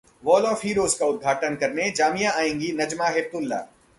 'wall of heroes' का उद्घाटन करने जामिया आएंगी नजमा हेपतुल्ला